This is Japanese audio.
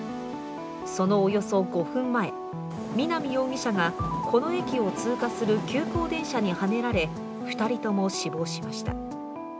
そのおよそ５分前、南容疑者がこの駅を通過する急行電車にはねられ２人とも死亡しました。